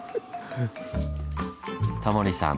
タモリさん